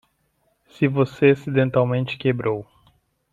Se você acidentalmente quebrou